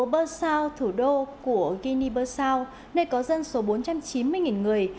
bursao thủ đô của guinea bursao nơi có dân số bốn trăm chín mươi người